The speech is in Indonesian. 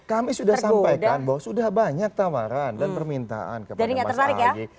kami sudah sampaikan bahwa sudah banyak tawaran dan permintaan kepada mas ahaye